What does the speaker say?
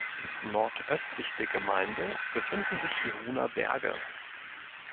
Nordöstlich der Gemeinde befinden sich die Ruhner Berge.